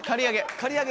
刈り上げ！